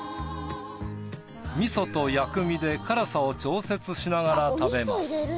味噌と薬味で辛さを調節しながら食べます。